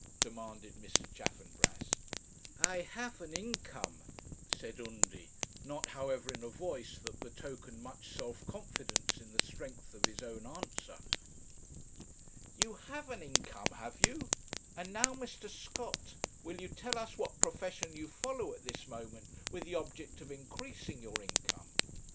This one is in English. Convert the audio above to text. demanded Mr. Chaffanbrass. 'I have an income,' said Undy, not, however, in a voice that betokened much self confidence in the strength of his own answer. 'You have an income, have you? And now, Mr. Scott, will you tell us what profession you follow at this moment with the object of increasing your income?